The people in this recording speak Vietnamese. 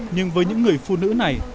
nhưng với những người phụ nữ này